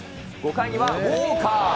５回にはウォーカー。